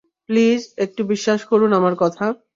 Please, একটু বিশ্বাস করুন আমার কথা।